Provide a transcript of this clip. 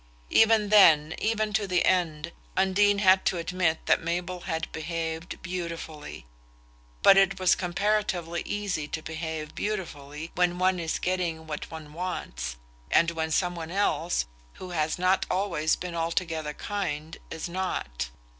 Even then, even to the end, Undine had to admit that Mabel had behaved "beautifully." But it is comparatively easy to behave beautifully when one is getting what one wants, and when some one else, who has not always been altogether kind, is not.